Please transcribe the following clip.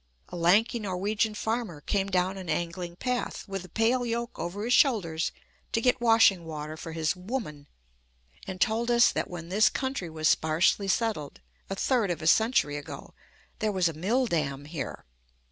A lanky Norwegian farmer came down an angling path with a pail yoke over his shoulders to get washing water for his "woman," and told us that when this country was sparsely settled, a third of a century ago, there was a mill dam here.